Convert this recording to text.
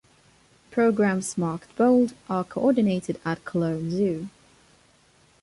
Programmes marked bold are coordinated at Cologne Zoo.